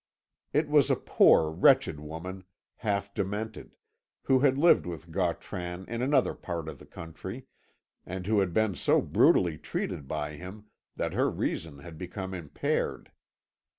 It was a poor, wretched woman, half demented, who had lived with Gautran in another part of the country, and who had been so brutally treated by him that her reason had become impaired.